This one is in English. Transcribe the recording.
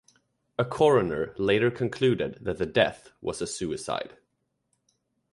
A coroner later concluded that the death was a suicide.